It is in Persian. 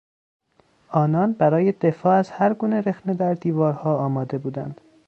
آنان برای دفاع از هر گونه رخنه در دیوارها آماده بودند.